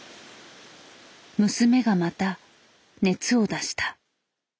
娘がまた熱を出した。